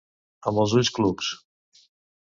Amb els ulls clucs.